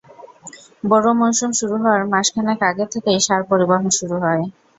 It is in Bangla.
বোরো মৌসুম শুরু হওয়ার মাস খানেক আগে থেকেই সার পরিবহন শুরু হয়।